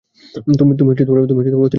তুমি অতীনকে ভালোবাস?